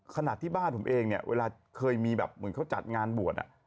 ขนาดที่บ้านผมเองเนี่ยเวลาเคยมีแบบเหมือนเขาจัดงานบวช